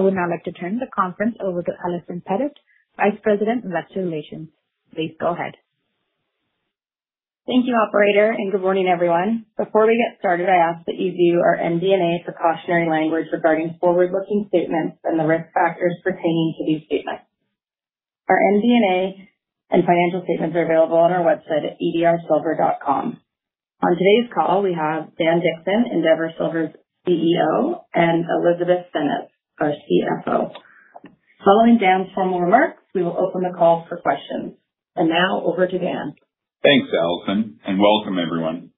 I would now like to turn the conference over to Allison Pettit, Vice President of Investor Relations. Please go ahead. Thank you, operator, and good morning, everyone. Before we get started, I ask that you view our MD&A precautionary language regarding forward-looking statements and the risk factors pertaining to these statements. Our MD&A and financial statements are available on our website at edrsilver.com. On today's call, we have Dan Dickson, Endeavour Silver's CEO, and Elizabeth Senez, our CFO. Following Dan's formal remarks, we will open the call for questions. Now over to Dan. Thanks, Allison, and welcome everyone.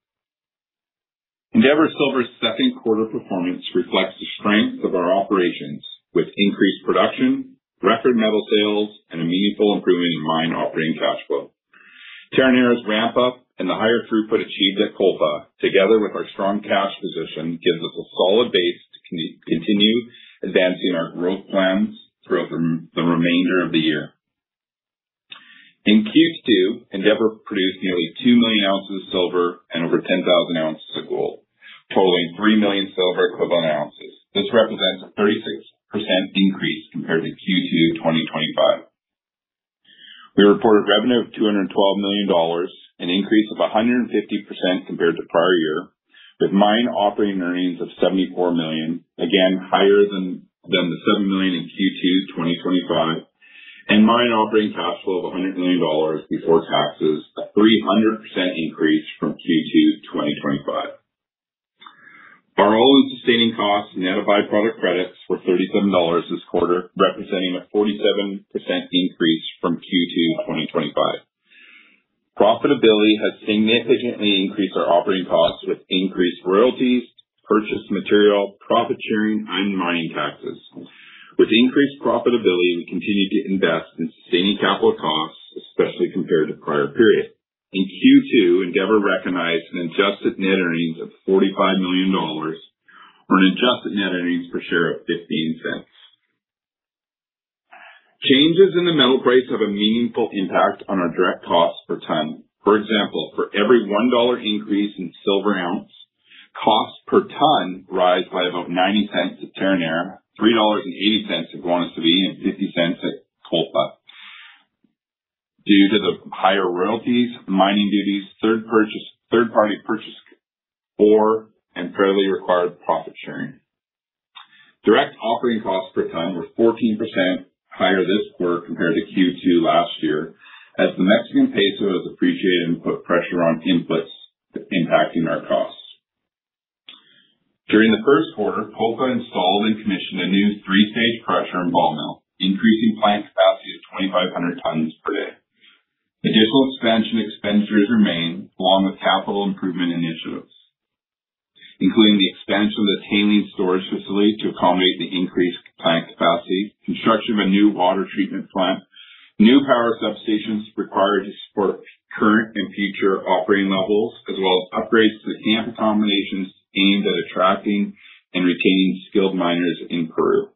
Endeavour Silver's second quarter performance reflects the strength of our operations with increased production, record metal sales, and a meaningful improvement in mine operating cash flow. Terronera's ramp up and the higher throughput achieved at Kolpa, together with our strong cash position, gives us a solid base to continue advancing our growth plans throughout the remainder of the year. In Q2, Endeavour produced nearly 2 million ounces of silver and over 10,000 oz of gold, totaling 3 million silver equivalent ounces. This represents a 36% increase compared to Q2 2025. We reported revenue of $212 million, an increase of 150% compared to prior year, with mining operating earnings of $74 million, again higher than the $7 million in Q2 2025, and mine operating cash flow of $100 million before taxes, a 300% increase from Q2 2025. Our all-in sustaining costs net of by-product credits were $37 this quarter, representing a 47% increase from Q2 2025. Profitability has significantly increased our operating costs with increased royalties, purchase material, profit sharing, and mining taxes. With increased profitability, we continue to invest in sustaining capital costs, especially compared to the prior period. In Q2, Endeavour recognized an adjusted net earnings of $45 million or an adjusted net earnings per share of $0.15. Changes in the metal price have a meaningful impact on our direct cost per ton. For example, for every $1 increase in silver ounce, cost per ton rise by about $0.90 at Terronera, $3.80 at Guanaceví, and $0.50 at Kolpa. Due to the higher royalties, mining duties, third-party purchase or imperatively required profit sharing. Direct operating costs per ton were 14% higher this quarter compared to Q2 last year, as the Mexican peso has appreciated and put pressure on inputs impacting our costs. During the first quarter, Kolpa installed and commissioned a new three stage pressure ball mill, increasing plant capacity to 2,500 tons per day. Additional expansion expenditures remain, along with capital improvement initiatives, including the expansion of the tailing storage facility to accommodate the increased plant capacity, construction of a new water treatment plant, new power substations required to support current and future operating levels, as well as upgrades to the camp accommodations aimed at attracting and retaining skilled miners in Peru.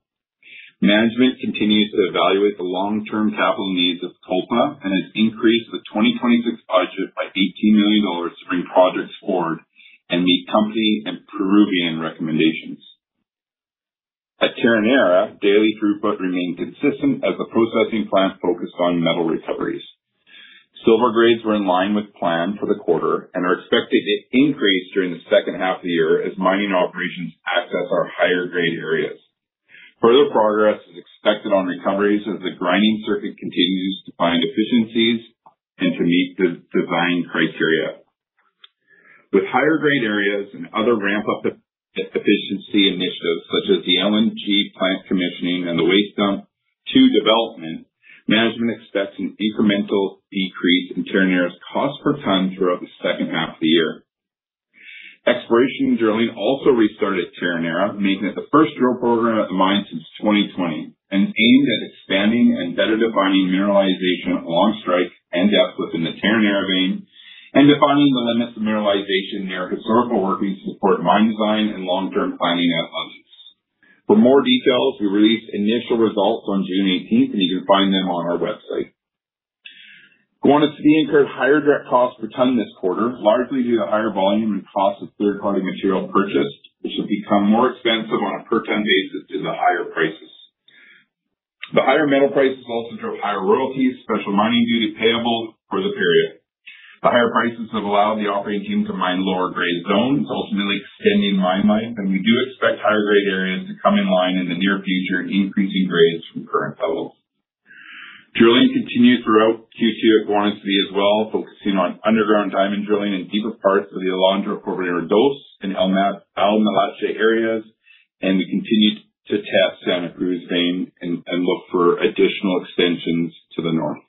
Management continues to evaluate the long-term capital needs of Kolpa and has increased the 2026 budget by $18 million to bring projects forward and meet company and Peruvian recommendations. At Terronera, daily throughput remained consistent as the processing plant focused on metal recoveries. Silver grades were in line with plan for the quarter and are expected to increase during the second half of the year as mining operations access our higher grade areas. Further progress is expected on recoveries as the grinding circuit continues to find efficiencies and to meet the design criteria. With higher grade areas and other ramp-up efficiency initiatives, such as the LNG plant commissioning and the waste dump to development, management expects an incremental decrease in Terronera's cost per ton throughout the second half of the year. Exploration drilling also restarted at Terronera, making it the first drill program at the mine since 2020, aimed at expanding and better defining mineralization along strike and depth within the Terronera vein and defining the limits of mineralization near historical workings to support mine design and long-term planning outcomes. For more details, we released initial results on June 18th, and you can find them on our website. Guanaceví incurred higher direct cost per ton this quarter, largely due to higher volume and cost of third-party material purchased, which have become more expensive on a per ton basis due to higher prices. The higher metal prices also drove higher royalties, special mining duty payable for the period. The higher prices have allowed the operating team to mine lower grade zones, ultimately extending mine life, and we do expect higher grade areas to come in line in the near future, increasing grades from current levels. Drilling continued throughout Q2 at Guanaceví as well, focusing on underground diamond drilling in deeper parts of the areas, and we continued to test down the Cruz vein and look for additional extensions to the north.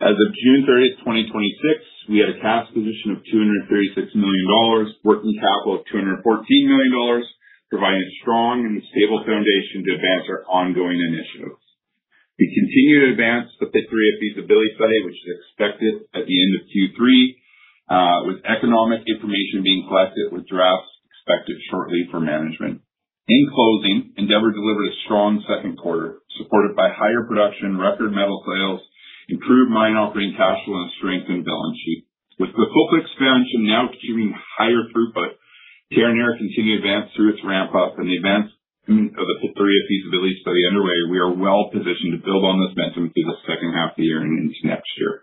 As of June 30th, 2026, we had a cash position of $236 million, working capital of $214 million, providing a strong and stable foundation to advance our ongoing initiatives. We continue to advance the Pitarrilla feasibility study, which is expected at the end of Q3, with economic information being collected with drafts expected shortly for management. In closing, Endeavour delivered a strong second quarter supported by higher production, record metal sales, improved mine operating cash flow and strengthened balance sheet. With the Kolpa expansion now achieving higher throughput, Terronera continued advance through its ramp up and the events of the Pitarrilla feasibility study underway. We are well positioned to build on this momentum through the second half of the year and into next year.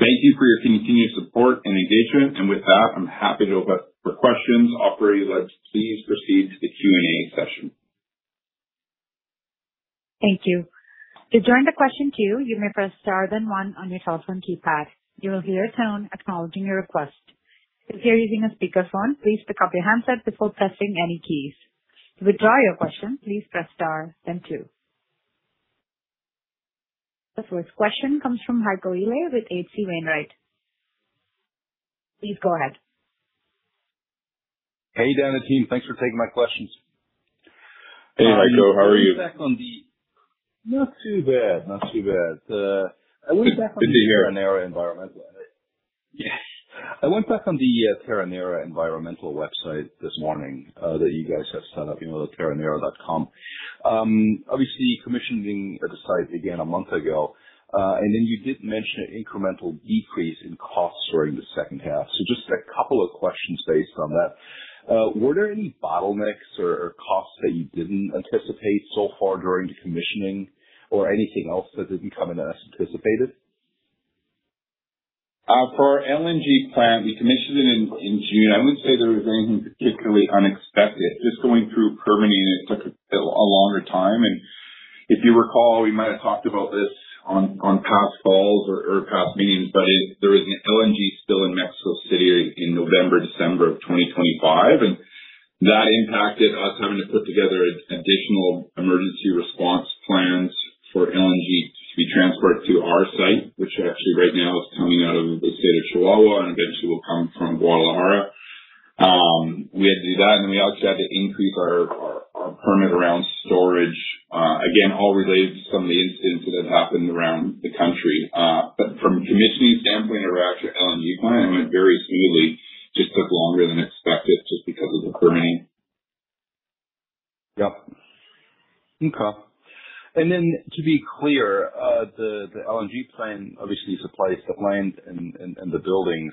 Thank you for your continued support and engagement. With that, I'm happy to open for questions. Operator, let's please proceed to the Q&A session. Thank you. To join the question queue, you may press Star then One on your cellphone keypad. You will hear a tone acknowledging your request. If you're using a speakerphone, please pick up your handset before pressing any keys. To withdraw your question, please press star then two. The first question comes from Heiko Ihle with H.C. Wainwright. Please go ahead. Hey, Dan and team. Thanks for taking my questions. Hey, Heiko, how are you? Not too bad. Good to hear. Terronera environmental. Yes. I went back on the terronera environmental website this morning, that you guys have set up, you know, the terronera.com. Obviously, commissioning of the site began a month ago. You did mention an incremental decrease in costs during the second half. Just a couple of questions based on that. Were there any bottlenecks or costs that you didn't anticipate so far during the commissioning or anything else that had become unanticipated? For our LNG plant, we commissioned it in June. I wouldn't say there was anything particularly unexpected. Just going through permitting, it took a longer time. If you recall, we might have talked about this on past calls or past meetings, but there was an LNG spill in Mexico City in November, December of 2025. That impacted us having to put together additional emergency response plans for LNG to be transported to our site, which actually right now is coming out of the state of Chihuahua and eventually will come from Guadalajara. We had to do that, and we also had to increase our permit around storage, again, all related to some of the incidents that have happened around the country. From a commissioning standpoint or actually LNG plant went very smoothly, just took longer than expected just because of the permitting. Yep. Okay. To be clear, the LNG plant obviously supplies the plant and the buildings.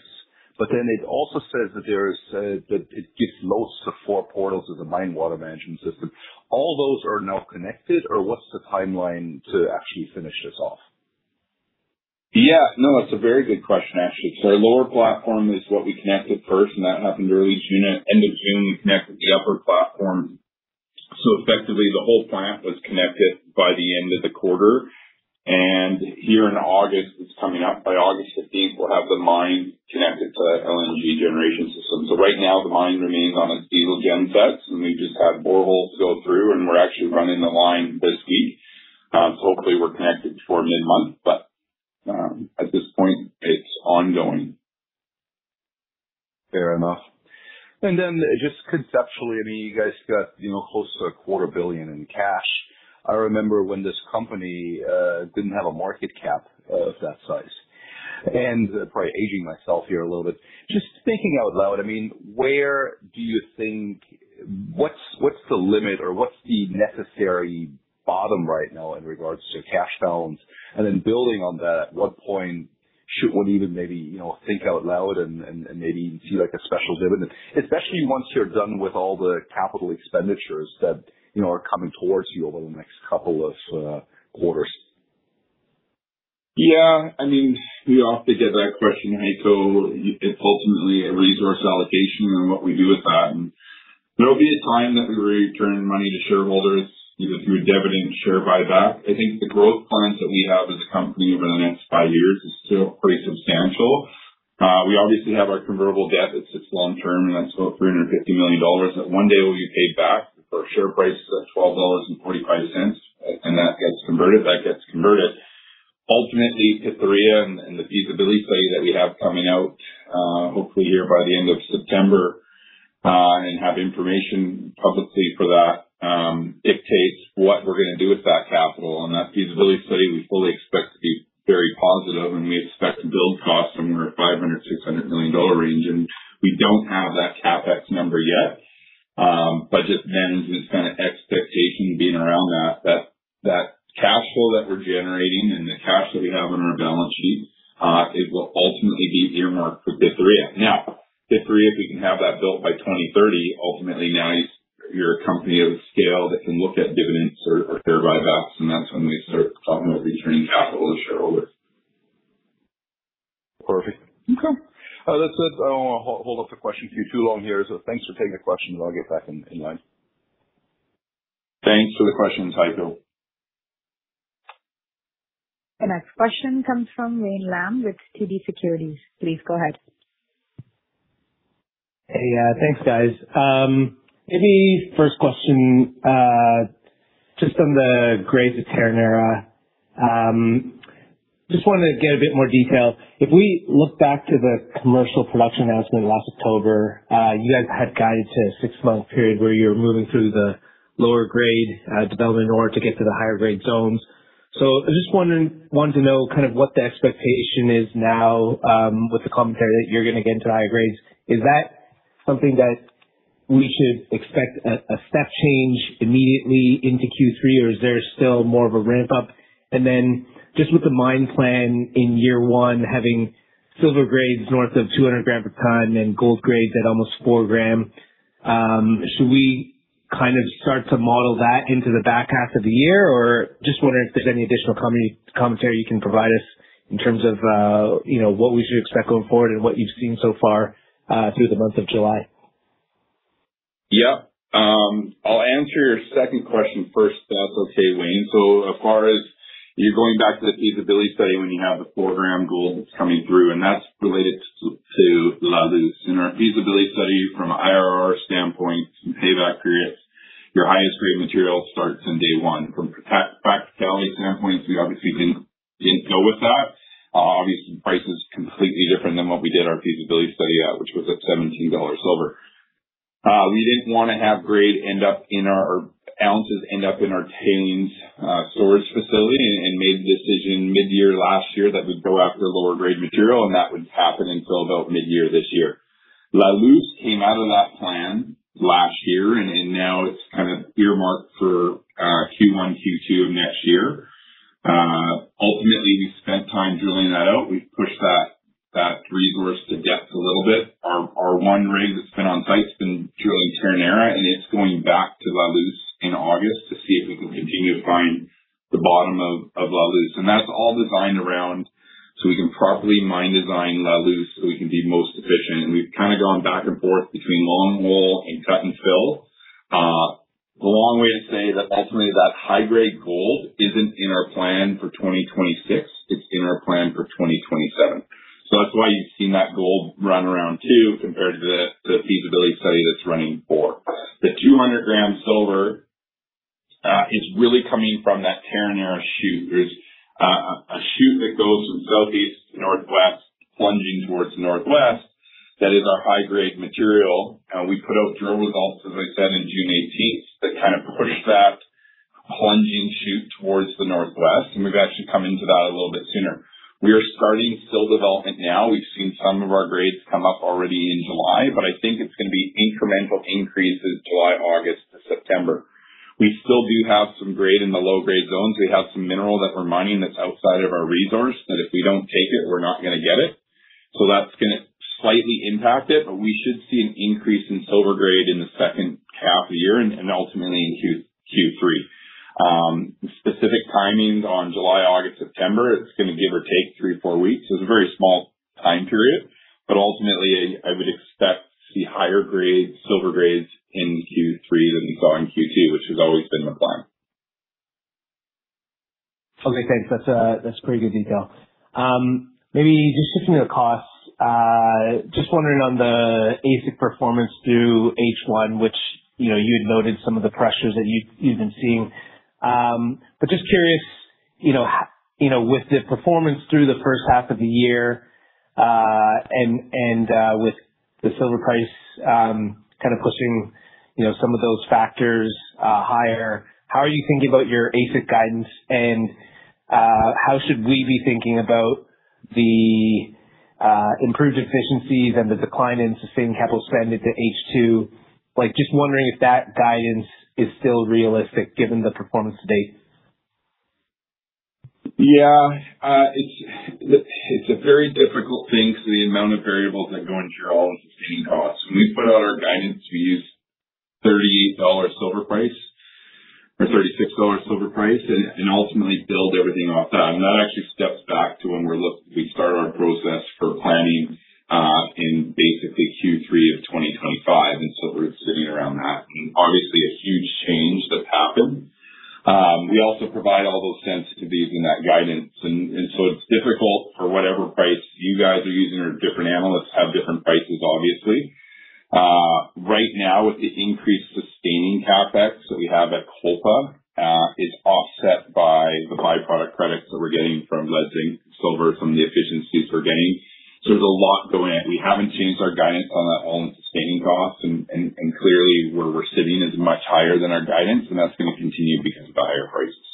It also says that it gives loads to four portals of the mine water management system. All those are now connected or what's the timeline to actually finish this off? No, that's a very good question, actually. Our lower platform is what we connected first, and that happened early June. End of June, we connected the upper platform. Effectively, the whole plant was connected by the end of the quarter. Here in August, it's coming up by August 15th, we'll have the mine connected to the LNG generation system. Right now the mine remains on its diesel gen sets, and we just have boreholes to go through, and we're actually running the line this week. Hopefully we're connected before mid-month. At this point, it's ongoing. Fair enough. Just conceptually, you guys got close to a quarter billion in cash. I remember when this company didn't have a market cap of that size. Probably aging myself here a little bit. Just thinking out loud, where do you think what's the limit or what's the necessary bottom right now in regards to cash balance? Building on that, at what point should one even maybe think out loud and maybe even see a special dividend, especially once you're done with all the CapEx that are coming towards you over the next couple of quarters? We often get that question, Heiko. It's ultimately a resource allocation and what we do with that. There will be a time that we return money to shareholders either through a dividend share buyback. I think the growth plans that we have as a company over the next five years is still pretty substantial. We obviously have our convertible debt that's long-term, and that's about $350 million that one day will be paid back for a share price of $12.45. That gets converted. That gets converted ultimately to Pitarrilla and the feasibility study that we have coming out, hopefully here by the end of September, and have information publicly for that, dictates what we're going to do with that capital. That feasibility study we fully expect to be very positive, and we expect build costs somewhere at $500 million-$600 million range. We don't have that CapEx number yet. Just management's kind of expectation being around that cash flow that we're generating and the cash that we have on our balance sheet, it will ultimately be earmarked for Pitarrilla. Pitarrilla, if we can have that built by 2030, ultimately now you're a company of scale that can look at dividends or share buybacks, and that's when we start talking about returning capital to shareholders. Perfect. Okay. That's it. I do not want to hold up the question queue too long here. Thanks for taking the question, and I'll get back in line. Thanks for the question, Heiko. The next question comes from Wayne Lam with TD Securities. Please go ahead. Hey. Thanks, guys. Maybe first question, just on the grades of Terronera. Just wanted to get a bit more detail. If we look back to the commercial production announcement last October, you guys had guided to a six-month period where you're moving through the lower grade development ore to get to the higher grade zones. I just wanted to know kind of what the expectation is now, with the commentary that you're going to get into higher grades. Is that something We should expect a step change immediately into Q3, or is there still more of a ramp-up? And then just with the mine plan in year one having silver grades north of 200 g per tonne and gold grades at almost 4 g, should we start to model that into the back half of the year? Just wondering if there's any additional commentary you can provide us in terms of what we should expect going forward and what you've seen so far through the month of July. Yes. I'll answer your second question first, if that's okay, Wayne. As far as you're going back to the feasibility study when you have the 4 g gold that's coming through, and that's related to La Luz. In our feasibility study from an IRR standpoint, some payback periods, your highest grade material starts in day one. From practicality standpoint, we obviously didn't go with that. Obviously, the price is completely different than what we did our feasibility study at, which was at $17 silver. We didn't want to have grade end up in our ounces end up in our tailings storage facility and made the decision mid-year last year that we'd go after lower grade material, and that would happen until about mid-year this year. La Luz came out of that plan last year, and now it's kind of earmarked for our Q1, Q2 of next year. Ultimately, we spent time drilling that out. We've pushed that resource to depth a little bit. Our one rig that's been on site has been drilling Terronera, and it's going back to La Luz in August to see if we can continue to find the bottom of La Luz. That's all designed around so we can properly mine design La Luz, so we can be most efficient. We've kind of gone back and forth between longwall and cut and fill. The long way to say that ultimately that high-grade gold isn't in our plan for 2026, it's in our plan for 2027. That's why you've seen that gold run around two compared to the feasibility study that's running four. The 200 g silver is really coming from that Terronera chute. There's a chute that goes from southeast to northwest, plunging towards the northwest. That is our high-grade material. We put out drill results, as I said, in June 18th. That kind of pushed that plunging chute towards the northwest. We've actually come into that a little bit sooner. We are starting fill development now. We've seen some of our grades come up already in July, but I think it's going to be incremental increases July, August, September. We still do have some grade in the low-grade zones. We have some mineral that we're mining that's outside of our resource, that if we don't take it, we're not going to get it. That's going to slightly impact it, but we should see an increase in silver grade in the second half of the year and ultimately in Q3. Specific timings on July, August, September, it's going to give or take three, four weeks. It's a very small time period. Ultimately, I would expect to see higher grades, silver grades in Q3 than we saw in Q2, which has always been the plan. Okay, thanks. That's pretty good detail. Maybe just sticking to the costs. Just wondering on the AISC performance through H1, which you had noted some of the pressures that you've been seeing. Just curious, with the performance through the first half of the year, with the silver price kind of pushing some of those factors higher, how are you thinking about your AISC guidance? How should we be thinking about the improved efficiencies and the decline in sustained capital spend into H2? Just wondering if that guidance is still realistic given the performance to date. Yeah. It's a very difficult thing because of the amount of variables that go into your all-in sustaining costs. When we put out our guidance, we used $38 silver price or $36 silver price, ultimately build everything off that. That actually steps back to when we start our process for planning in basically Q3 of 2025. We're sitting around that, obviously a huge change that's happened. We also provide all those sensitivity in that guidance, it's difficult for whatever price you guys are using or different analysts have different prices, obviously. Right now, with the increased sustaining CapEx that we have at Cobre, it's offset by the by-product credits that we're getting from lead and silver from the efficiencies we're getting. There's a lot going in. We haven't changed our guidance on all-in sustaining costs, clearly, where we're sitting is much higher than our guidance, that's going to continue because of higher prices.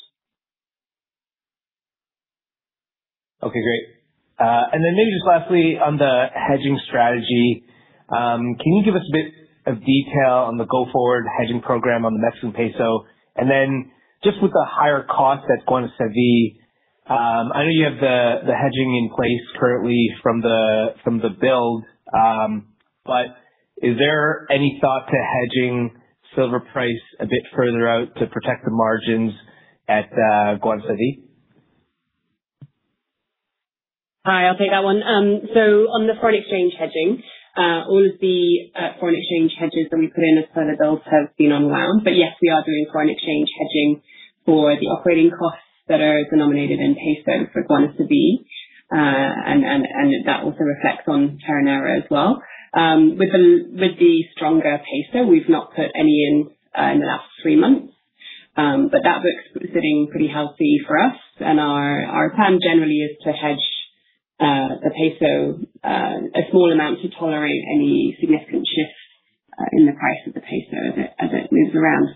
Okay, great. Maybe just lastly on the hedging strategy, can you give us a bit of detail on the go-forward hedging program on the Mexican Peso? Just with the higher cost at Guanaceví, I know you have the hedging in place currently from the build, but is there any thought to hedging silver price a bit further out to protect the margins at Guanaceví? Hi, I'll take that one. On the foreign exchange hedging, all of the foreign exchange hedges that we put in as part of those have been unwound. Yes, we are doing foreign exchange hedging for the operating costs that are denominated in Peso for Guanaceví. That also reflects on Terronera as well. With the stronger Peso, we've not put any in in the last three months. That book's sitting pretty healthy for us and our plan generally is to hedge the Peso, a small amount to tolerate any significant shifts in the price of the Peso as it moves around.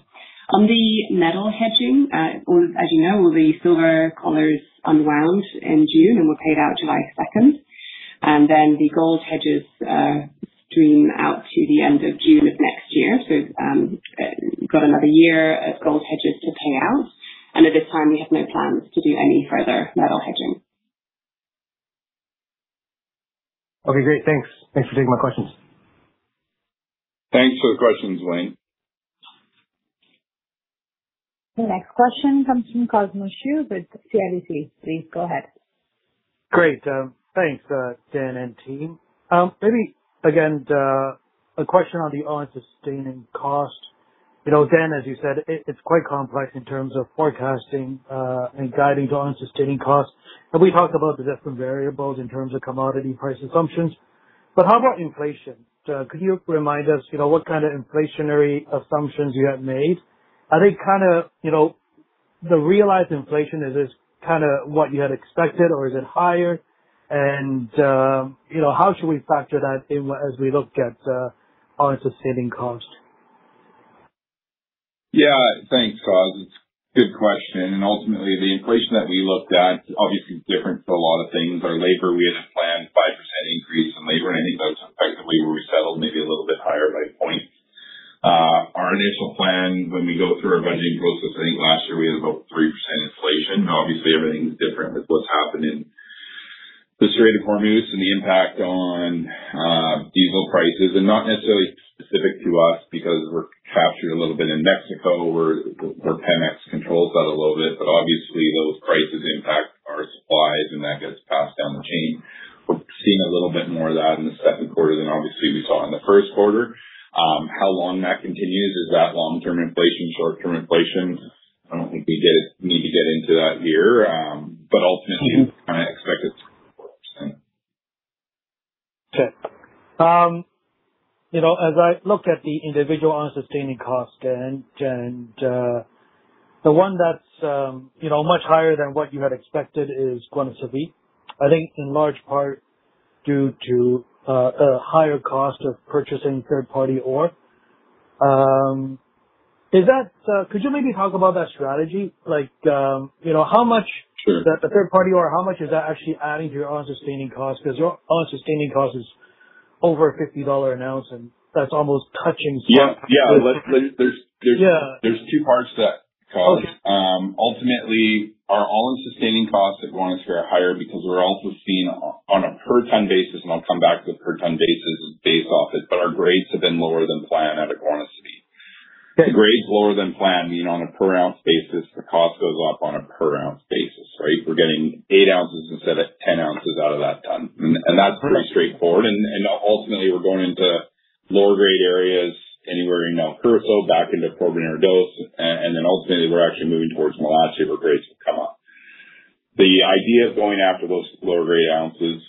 On the metal hedging, as you know, all the silver collars unwound in June and were paid out July 2nd, the gold hedges stream out to the end of June of next year. We've got another year of gold hedges to pay out, at this time, we have no plans to do any further metal hedging. Okay, great. Thanks for taking my questions. Thanks for the questions, Wayne. The next question comes from Cosmos Chiu with CIBC. Please go ahead. Great. Thanks, Dan and team. Maybe, again, a question on the all-in sustaining cost. Dan, as you said, it's quite complex in terms of forecasting and guiding to all-in sustaining costs. We talked about the different variables in terms of commodity price assumptions. How about inflation? Could you remind us what kind of inflationary assumptions you have made? Are they kind of the realized inflation, is this what you had expected or is it higher? How should we factor that in as we look at all-in sustaining cost? Yeah. Thanks, Cos. It's a good question. Ultimately, the inflation that we looked at obviously is different for a lot of things. Our labor, we had a planned 5% increase in labor, I think that's effectively where we settled, maybe a little bit higher by a point. Our initial plan when we go through our budgeting process, I think last year we had about 3% inflation. Obviously, everything's different with what's happened in the Strait of Hormuz and the impact on diesel prices. Not necessarily specific to us because we're captured a little bit in Mexico where Pemex controls that a little bit. Obviously those prices impact our supplies and that gets passed down the chain. We're seeing a little bit more of that in the second quarter than obviously we saw in the first quarter. How long that continues, is that long-term inflation, short-term inflation? I don't think we need to get into that here. Ultimately, kind of expect it. Okay. As I looked at the individual all-in sustaining cost and the one that's much higher than what you had expected is Guanaceví, I think in large part due to a higher cost of purchasing third-party ore. Could you maybe talk about that strategy? The third-party ore, how much is that actually adding to your all-in sustaining cost? Because your all-in sustaining cost is over $50 an ounce and that's almost touching. Yeah. There's two parts to that, Cos. Okay. Ultimately, our all-in sustaining costs at Guanaceví are higher because we're also seeing on a per-ton basis, and I'll come back to the per-ton basis, our grades have been lower than planned out of Guanaceví. Okay. The grades lower than planned mean on a per ounce basis, the cost goes up on a per ounce basis, right? We're getting 8 oz instead of 10 oz out of that ton. That's pretty straightforward. Ultimately, we're going into lower grade areas anywhere in El Curso, back into Progreso and Dos, and then ultimately we're actually moving towards Milache where grades will come up. The idea of going after those lower grade ounces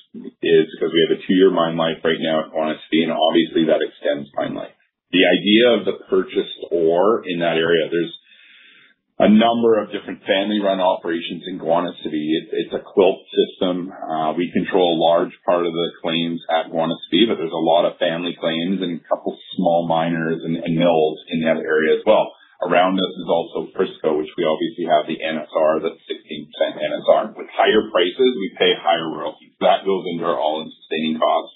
is because we have a two-year mine life right now at Guanaceví, and obviously that extends mine life. The idea of the purchased ore in that area, there's a number of different family-run operations in Guanaceví. It's a quilt system. We control a large part of the claims at Guanaceví, but there's a lot of family claims and a couple small miners and mills in that area as well. Around us is also Frisco, which we obviously have the NSR, that 16% NSR. With higher prices, we pay higher royalties. That goes into our all-in sustaining costs.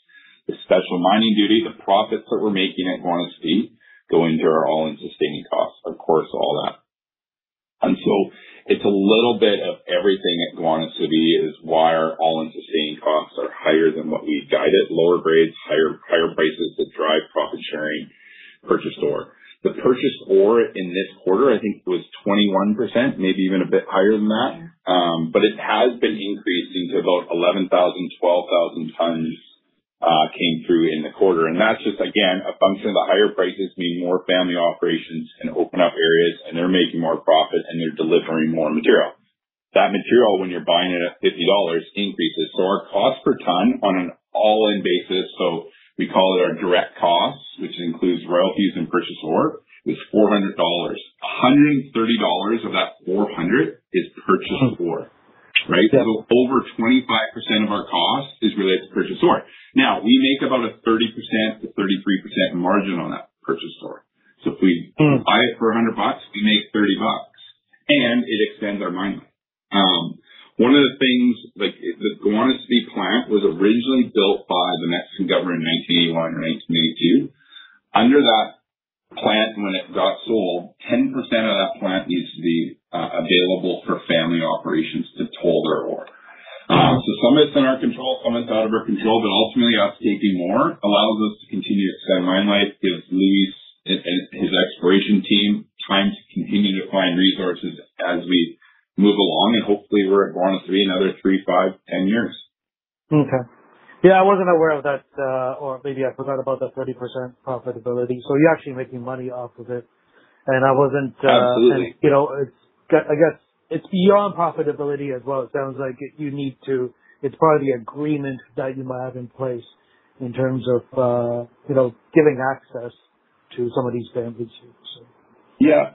The special mining duty, the profits that we're making at Guanaceví go into our all-in sustaining costs, of course, all that. It's a little bit of everything at Guanaceví is why our all-in sustaining costs are higher than what we had guided. Lower grades, higher prices that drive profit sharing, purchased ore. The purchased ore in this quarter I think was 21%, maybe even a bit higher than that. It has been increasing to about 11,000, 12,000 tons came through in the quarter. That's just again, a function of the higher prices mean more family operations can open up areas and they're making more profit and they're delivering more material. That material, when you're buying it at $50, increases. Our cost per ton on an all-in basis, so we call it our direct cost, which includes royalties and purchased ore, is $400. $130 of that $400 is purchased ore, right? Yeah. Over 25% of our cost is related to purchased ore. Now, we make about a 30% to 33% margin on that purchased ore. If we buy it for $100 bucks, we make $30 bucks and it extends our mine life. One of the things, the Guanaceví plant was originally built by the Mexican government in 1981 or 1982. Under that plant, when it got sold, 10% of that plant needs to be available for family operations to toll their ore. Some of it's in our control, some of it's out of our control, but ultimately us taking more allows us to continue to extend mine life, gives Luis and his exploration team time to continue to find resources as we move along. Hopefully we're at Guanaceví another three, five, 10 years. I wasn't aware of that, or maybe I forgot about the 30% profitability. You're actually making money off of it. Absolutely. I guess it's beyond profitability as well. It sounds like it's part of the agreement that you might have in place in terms of giving access to some of these families here. Yeah.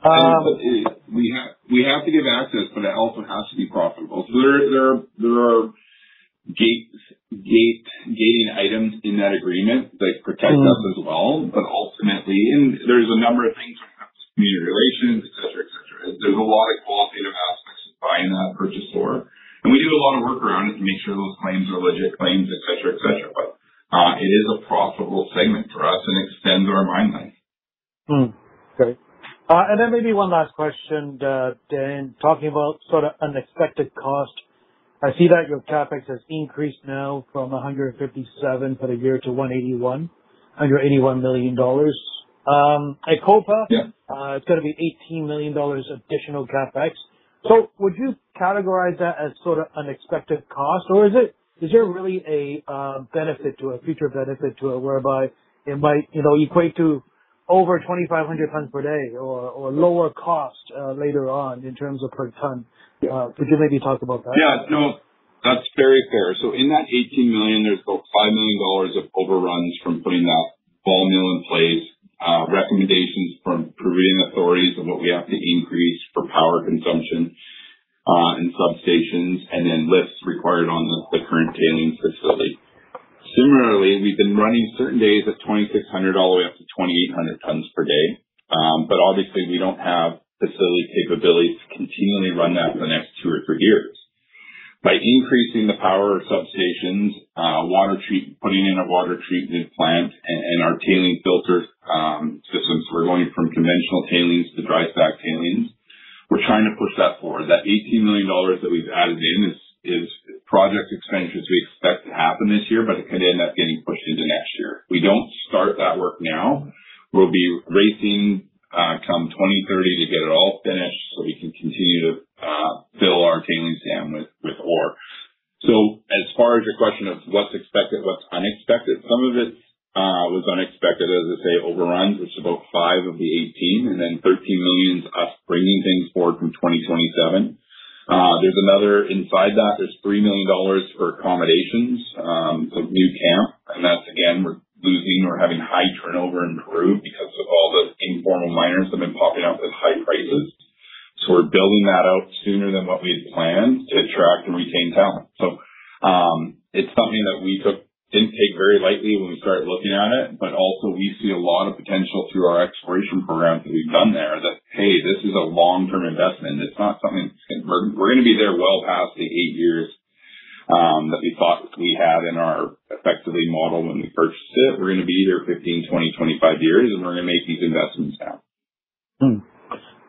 We have to give access, but it also has to be profitable. There are gating items in that agreement protect us as well. Ultimately, there's a number of things when it comes to community relations, et cetera. There's a lot of qualitative aspects to buying that purchase ore, and we do a lot of work around it to make sure those claims are legit claims, et cetera. It is a profitable segment for us, and it extends our mine life. Great. Maybe one last question, Dan. Talking about unexpected cost, I see that your CapEx has increased now from $157 for the year to $181 million. Yeah. It's going to be $18 million additional CapEx. Would you categorize that as unexpected cost, or is there really a future benefit to it, whereby it might equate to over 2,500 tons per day or lower cost later on in terms of per ton? Could you maybe talk about that? Yeah, no, that's very fair. In that $18 million, there's about $5 million of overruns from putting that ball mill in place, recommendations from Peruvian authorities on what we have to increase for power consumption, and substations, and then lifts required on the current tailings facility. Similarly, we've been running certain days at 2,600 all the way up to 2,800 tons per day. Obviously, we don't have facility capability to continually run that for the next two or three years. By increasing the power substations, putting in a water treatment plant, and our tailings filter systems, we're going from conventional tailings to dry stack tailings. We're trying to push that forward. That $18 million that we've added in is project expenditures we expect to happen this year, but it could end up getting pushed to the next year. If we don't start that work now, we'll be racing come 2030 to get it all finished so we can continue to fill our tailings dam with ore. As far as your question of what's expected, what's unexpected, some of it was unexpected, as I say, overruns, which is about five of the 18, and then $13 million's us bringing things forward from 2027. Inside that, there's $3 million for accommodations. New camp, and that's again, we're losing or having high turnover in Peru because of all the informal miners that have been popping up with high prices. We're building that out sooner than what we had planned to attract and retain talent. It's something that we didn't take very lightly when we started looking at it. Also we see a lot of potential through our exploration programs that we've done there that, hey, this is a long-term investment. We're going to be there well past the eight years that we thought we had in our effectively model when we purchased it. We're going to be here 15, 20, 25 years, and we're going to make these investments now.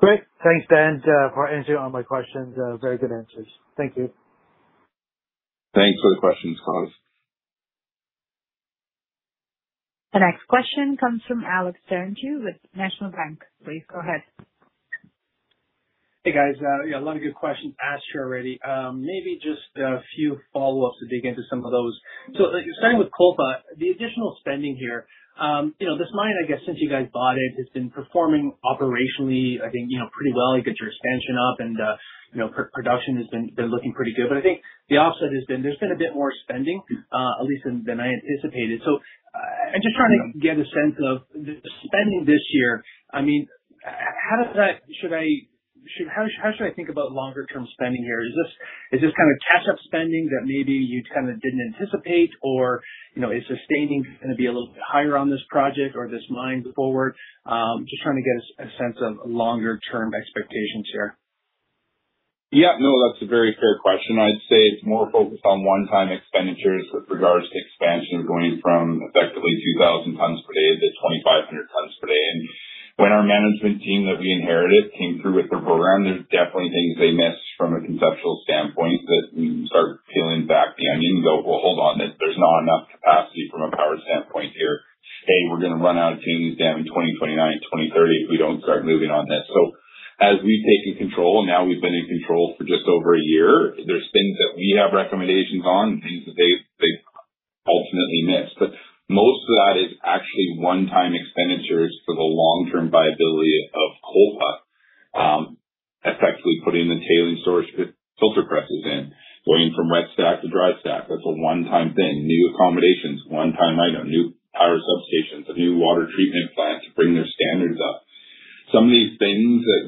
Great. Thanks, Dan, for answering all my questions. Very good answers. Thank you. Thanks for the questions, Cos. The next question comes from Alex Terentiew with National Bank. Please go ahead. Hey, guys. A lot of good questions asked here already. Maybe just a few follow-ups to dig into some of those. Starting with Cobre, the additional spending here. This mine, I guess since you guys bought it, has been performing operationally, I think, pretty well. You got your expansion up and production has been looking pretty good. I think the offset has been, there's been a bit more spending, at least than I anticipated. I'm just trying to get a sense of the spending this year. How should I think about longer term spending here? Is this kind of catch-up spending that maybe you kind of didn't anticipate, or is sustaining going to be a little bit higher on this project or this mine forward? Just trying to get a sense of longer term expectations here. That's a very fair question. I'd say it's more focused on one-time expenditures with regards to expansion, going from effectively 2,000 tons per day to 2,500 tons per day. When our management team that we inherited came through with their program, there's definitely things they missed from a conceptual standpoint that when you start peeling back the onion, you go, "Well, hold on. There's not enough capacity from a power standpoint here." We're going to run out of tailings dam in 2029, 2030 if we don't start moving on this. As we've taken control, now we've been in control for just over a year. There's things that we have recommendations on, things that they've ultimately missed. Most of that is actually one-time expenditures for the long-term viability of Cobre. Effectively putting the tailings storage filter presses in, going from wet stack to dry stack, that's a one-time thing. New accommodations, one-time item. New power substations, a new water treatment plant to bring their standards up. Some of these things that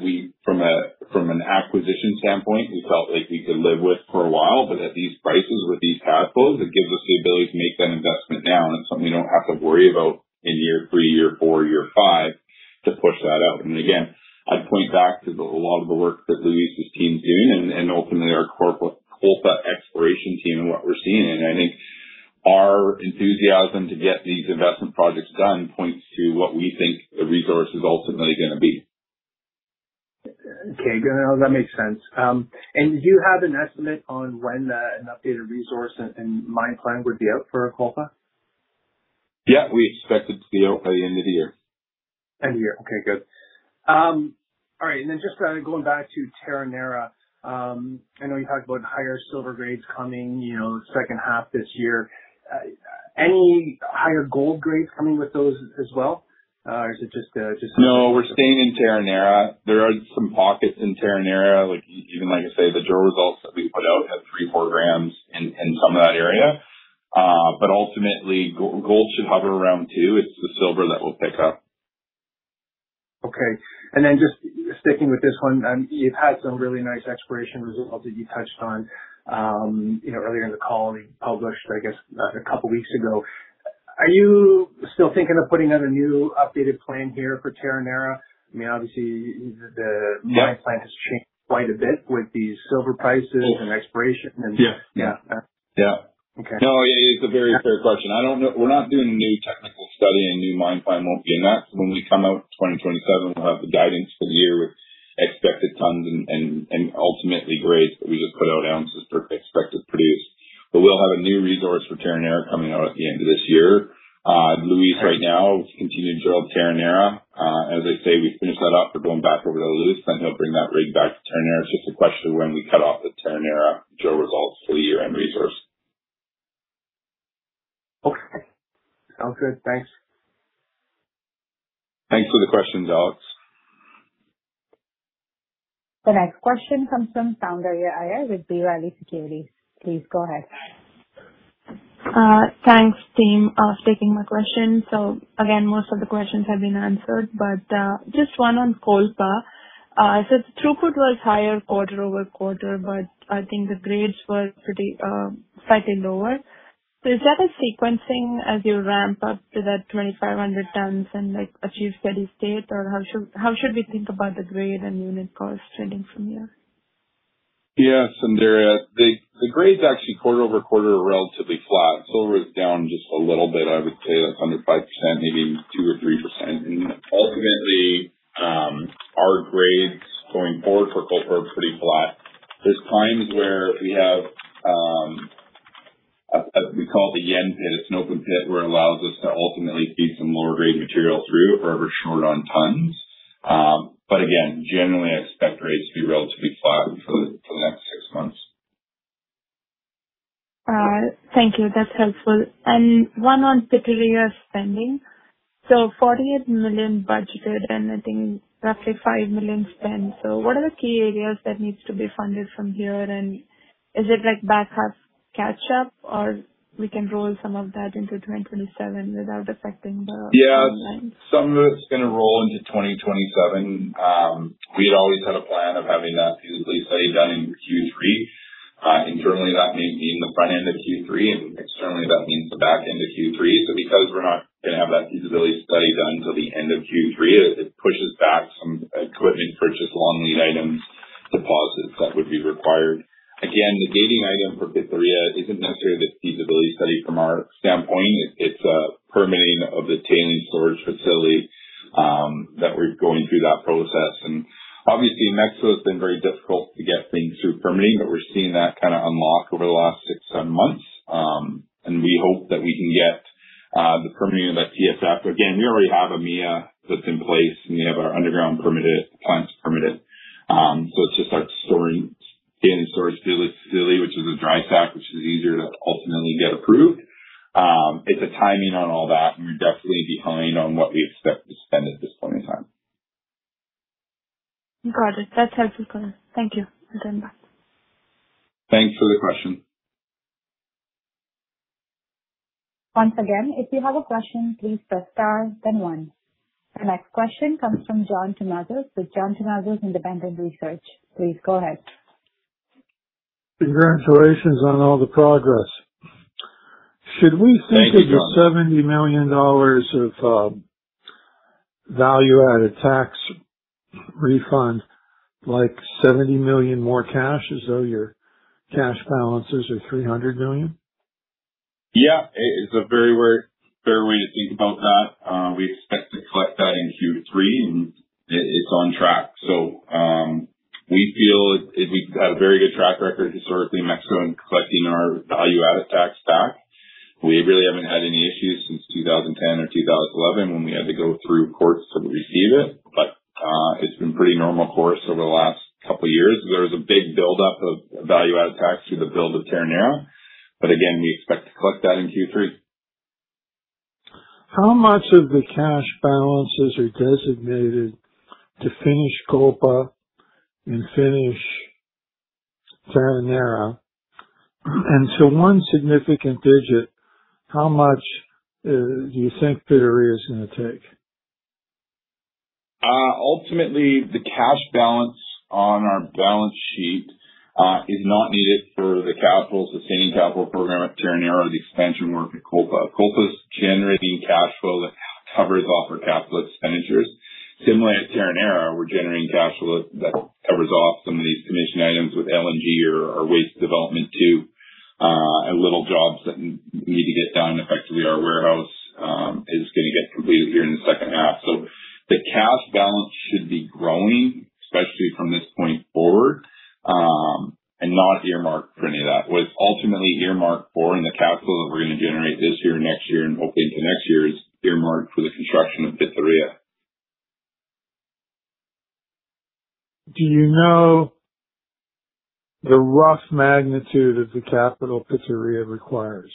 from an acquisition standpoint, we felt like we could live with for a while, but at these prices, with these cash flows, it gives us the ability to make that investment now, and it's something we don't have to worry about in year three, year four, year five to push that out. Again, I'd point back to a lot of the work that Luis' team's doing and opening their Cobre exploration team and what we're seeing. I think our enthusiasm to get these investment projects done points to what we think the resource is ultimately going to be. That makes sense. Do you have an estimate on when an updated resource and mine plan would be out for Cobre? We expect it to be out by the end of the year. End of year. Okay, good. All right, just going back to Terronera. I know you talked about higher silver grades coming second half this year. Any higher gold grades coming with those as well? Is it just. No, we're staying in Terronera. There are some pockets in Terronera, even like I say, the drill results that we put out have 3 g, 4 g in some of that area. Ultimately, gold should hover around two. It's the silver that will pick up. Okay. Just sticking with this one, you've had some really nice exploration results that you touched on earlier in the call and published, I guess, a couple weeks ago. Are you still thinking of putting out a new updated plan here for Terronera? I mean, obviously the. Yeah. Mine plan has changed quite a bit with the silver prices and exploration and. Yeah. Yeah. Yeah. Okay. No. Yeah, it is a very fair question. We are not doing a new technical study, a new mine plan will not be in that. When we come out in 2027, we will have the guidance for the year with expected tons and ultimately grades, but we just put out ounces for expected produce. We will have a new resource for Terronera coming out at the end of this year. Luis right now is continuing to drill Terronera. As I say, we finish that off. We are going back over to Luis, he will bring that rig back to Terronera. It is just a question of when we cut off the Terronera drill results for the year-end resource. Okay. Sounds good. Thanks. Thanks for the question, Alex. The next question comes from Soundarya Iyer with B. Riley Securities. Please go ahead. Thanks, team, for taking my question. Again, most of the questions have been answered, but just one on Cobre. Throughput was higher quarter-over-quarter, but I think the grades were slightly lower. Is that a sequencing as you ramp up to that 2,500 tons and achieve steady state? Or how should we think about the grade and unit cost trending from here? Yes. Soundarya, the grades actually quarter-over-quarter are relatively flat. Silver is down just a little bit. I would say that's under 5%, maybe 2% or 3%. Ultimately, our grades going forward for Cobre are pretty flat. There's times where we have, we call it the Yen pit. It's an open pit where it allows us to ultimately feed some lower grade material through if we're ever short on tons. Again, generally I expect rates to be relatively flat for the next six months. Thank you. That's helpful. One on Pitarrilla spending. $48 million budgeted and I think roughly $5 million spent. What are the key areas that needs to be funded from here? Is it like back half catch up? Or we can roll some of that into 2027 without affecting the timeline? Yeah. Some of it's going to roll into 2027. We had always had a plan of having that feasibility study done in Q3. Internally, that may mean the front end of Q3, and externally, that means the back end of Q3. Because we're not going to have that feasibility study done until the end of Q3, it pushes back some equipment purchase long lead items, deposits that would be required. Again, the gating item for Pitarrilla isn't necessarily the feasibility study from our standpoint. It's permitting of the Tailings Storage Facility that we're going through that process. Obviously, Mexico has been very difficult to get things through permitting, but we're seeing that kind of unlock over the last six, seven months. We hope that we can get the permitting of that TSF. We already have a MIA that's in place, and we have our underground permitted, the plant's permitted. It's just that tailing storage facility, which is a dry stack, which is easier to ultimately get approved. It's a timing on all that, and we're definitely behind on what we expected to spend at this point in time. Got it. That's helpful, colour. Thank you and bye. Thanks for the question. Once again, if you have a question, please press star then one. The next question comes from John Tumazos with John Tumazos Independent Research. Please go ahead. Congratulations on all the progress. Thank you, John. Should we think of your $70 million of value-added tax refund, like $70 million more cash as though your cash balances are $300 million? Yeah. It is a very fair way to think about that. We expect to collect that in Q3. It's on track. We feel we've got a very good track record historically in Mexico in collecting our value-added tax back. We really haven't had any issues since 2010 or 2011 when we had to go through courts to receive it. It's been pretty normal course over the last couple of years. There was a big buildup of value-added tax through the build of Terronera. Again, we expect to collect that in Q3. How much of the cash balances are designated to finish Cobre and finish Terronera? To one significant digit, how much do you think Pitarrilla is going to take? Ultimately, the cash balance on our balance sheet is not needed for the capital, sustaining capital program at Terronera or the expansion work at Cobre. Cobre's generating cash flow that covers off our capital expenditures. Similarly, at Terronera, we're generating cash flow that covers off some of these commission items with LNG or waste development too, and little jobs that need to get done. Effectively, our warehouse is going to get completed here in the second half. The cash balance should be growing, especially from this point forward, and not earmarked for any of that. What it's ultimately earmarked for in the capital that we're going to generate this year, next year, and hopefully into next year is earmarked for the construction of Pitarrilla. Do you know the rough magnitude that the capital Pitarrilla requires?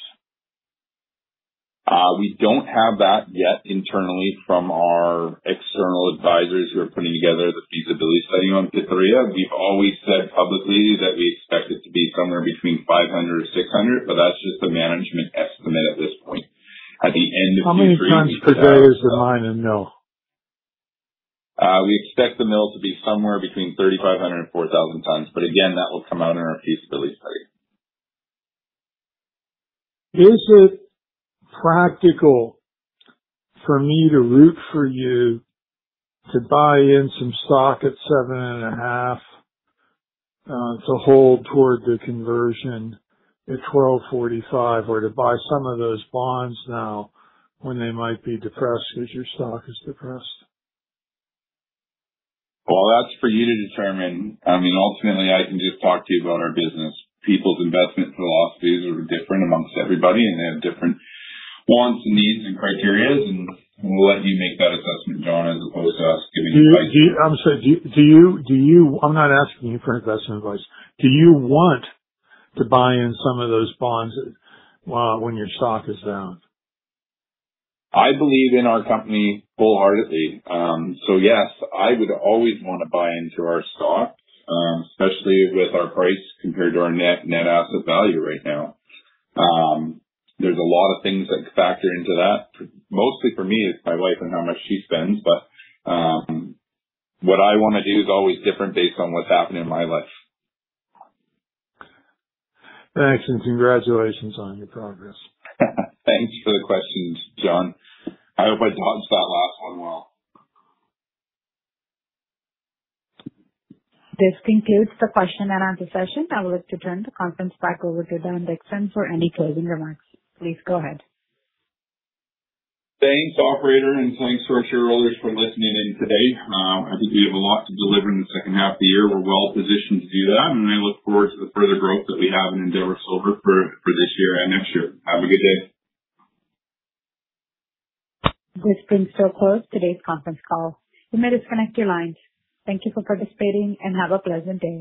We don't have that yet internally from our external advisors who are putting together the feasibility study on Pitarrilla. We've always said publicly that we expect it to be somewhere between $500 or $600, but that's just a management estimate at this point. At the end of Q3. How many tons per day does the mine and mill? We expect the mill to be somewhere between 3,500 and 4,000 tons. Again, that will come out in our feasibility study. Is it practical for me to root for you to buy in some stock at $7.5 to hold toward the conversion at $12.45, or to buy some of those bonds now when they might be depressed because your stock is depressed? Well, that's for you to determine. Ultimately, I can just talk to you about our business. People's investment philosophies are different amongst everybody, they have different wants and needs and criterias, and we'll let you make that assessment, John, as opposed to us giving advice. I'm sorry, I'm not asking you for investment advice. Do you want to buy in some of those bonds when your stock is down? I believe in our company fullheartedly. Yes, I would always want to buy into our stock, especially with our price compared to our net asset value right now. There's a lot of things that factor into that. Mostly for me, it's my wife and how much she spends. What I want to do is always different based on what's happening in my life. Thanks, congratulations on your progress. Thanks for the questions, John. I hope I dodged that last one well. This concludes the question and answer session. I would like to turn the conference back over to Dan Dickson for any closing remarks. Please go ahead. Thanks, operator, and thanks to our shareholders for listening in today. I think we have a lot to deliver in the second half of the year. We're well positioned to do that, and I look forward to the further growth that we have in Endeavour Silver for this year and next year. Have a good day. This concludes today's conference call. You may disconnect your lines. Thank you for participating, and have a pleasant day.